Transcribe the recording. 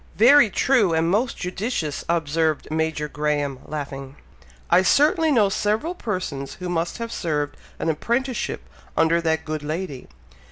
'" "Very true! and most judicious!" observed Major Graham, laughing. "I certainly know several persons who must have served an apprenticeship under that good lady.